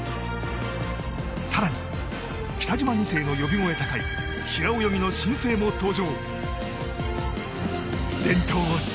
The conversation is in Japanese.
更に、北島二世の呼び声高い平泳ぎの新星も登場。